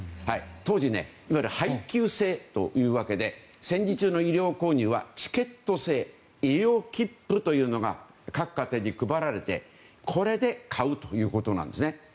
当時、いわゆる配給制というわけで戦時中の衣料購入はチケット制衣料切符というのが各家庭に配られてこれで買うということなんですね。